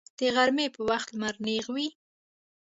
د غرمې په وخت لمر نیغ وي